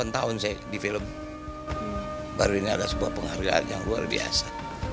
delapan tahun saya di film baru ini ada sebuah penghargaan yang luar biasa